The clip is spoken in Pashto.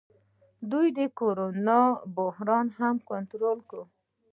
دوی د کرونا بحران هم کنټرول کړ.